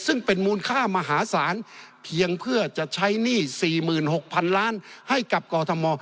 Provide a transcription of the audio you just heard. ซึ่งเป็นมูลค่ามหาศาลเพียงเพื่อจะใช้หนี้๔๖๐๐๐ล้านให้กับกอทม